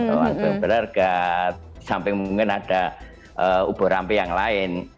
uang yang berharga sampai mungkin ada uborampe yang lain